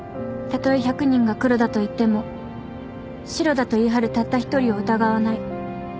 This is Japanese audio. たとえ１００人が「黒だ」と言っても「白だ」と言い張るたった一人を疑わない。